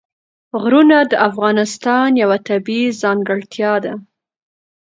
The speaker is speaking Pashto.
غرونه د افغانستان یوه طبیعي ځانګړتیا ده.